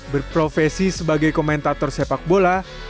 berprofesi sebagai komentator sepak bola